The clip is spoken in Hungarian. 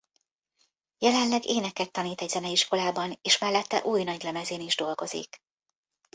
Jelenleg éneket tanít egy zeneiskolában és mellette új nagylemezén is dolgozik.